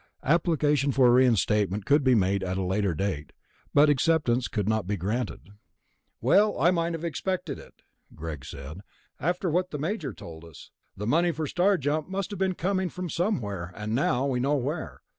Application for reinstatement could be made at a later date, but acceptance could not be guaranteed.... "Well, I might have expected it," Greg said, "after what the Major told us. The money for Star Jump must have been coming from somewhere, and now we know where.